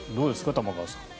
玉川さん。